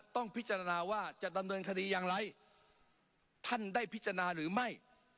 ต้องพิจารณาว่าจะดำเนินคดีอย่างไรท่านได้พิจารณาหรือไม่